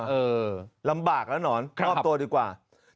เออลำบากแล้วหนอนมอบตัวดีกว่า